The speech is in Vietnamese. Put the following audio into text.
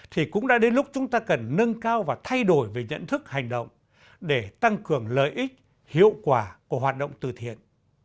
thì cũng đã đến lúc chúng ta cần nâng cao và thay đổi về nhận thức hành động để tăng cường lợi ích hiệu quả của hoạt động từ thiện